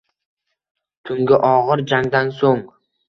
Tungi og’ir jangdan so’ng